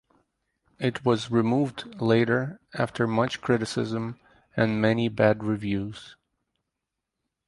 It was removed later after much criticism and many bad reviews.